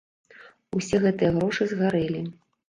Усе гэтыя грошы згарэлі.